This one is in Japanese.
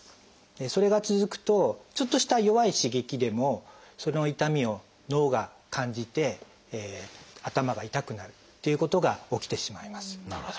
それが続くとちょっとした弱い刺激でもその痛みを脳が感じて頭が痛くなるっていうことが起きてしまいます。